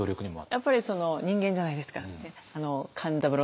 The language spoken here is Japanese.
やっぱり人間じゃないですか勘三郎さんも。